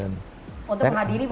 untuk menghadiri wisuda itu